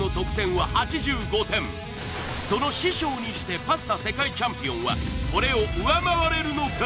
その師匠にしてパスタ世界チャンピオンはこれを上回れるのか？